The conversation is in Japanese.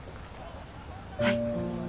はい。